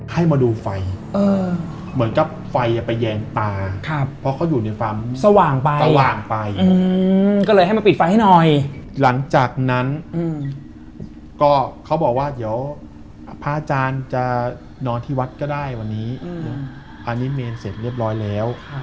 ให้มาดูไฟเหมือนกับไฟไปแยงตาเพราะเขาอยู่ในฟาร์มสว่างไปสว่างไปก็เลยให้มาปิดไฟให้หน่อยหลังจากนั้นก็เขาบอกว่าเดี๋ยวพระอาจารย์จะนอนที่วัดก็ได้วันนี้อันนี้เมนเสร็จเรียบร้อยแล้ว